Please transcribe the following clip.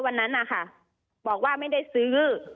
วันนั้นนะคะบอกว่าไม่ได้ซื้อ